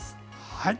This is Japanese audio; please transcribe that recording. はい。